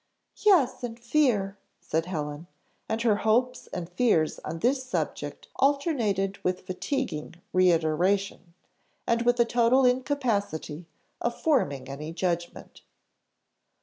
"Yes, and fear," said Helen; and her hopes and fears on this subject alternated with fatiguing reiteration, and with a total incapacity of forming any judgment.